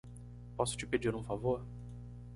Posso te pedir um favor?